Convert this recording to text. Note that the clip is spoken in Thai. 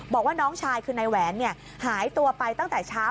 บอกว่าน้องชายคือนายแหวนหายตัวไปตั้งแต่เช้า